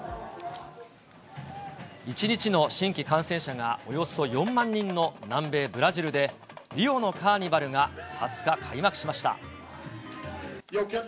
１日の新規感染者がおよそ４万人の南米ブラジルで、リオのカーニバルが２０日、開幕しました。